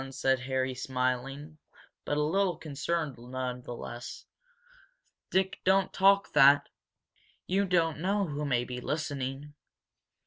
said Harry, smiling, but a little concerned, none the less. "Dick, don't talk that! You don't know who may be listening!"